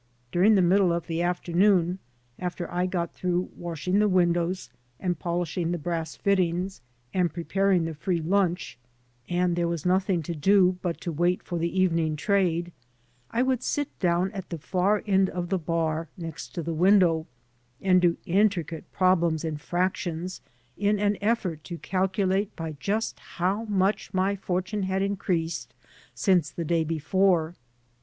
During the middle of the afternoon, after I got through washing the windows, and poUshing the brass fittings, and preparing the free lunch, and there was nothing to do 124 THE ETHICS OF THE BAR but to wait for the evening trade, I would sit down at the far end of the bar next to the window and do intricate probIen[is in fractions, in an effort to calculate by just how piuch my fortune had increased since the day before.